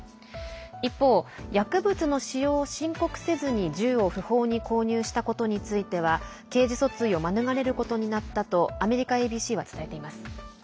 一方、薬物の使用を申告せずに銃を不法に購入したことについては刑事訴追を免れることになったとアメリカＡＢＣは伝えています。